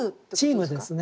チームですね。